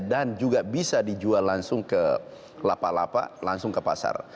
dan juga bisa dijual langsung ke lapak lapak langsung ke pasar